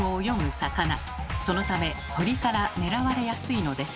そのため鳥から狙われやすいのです。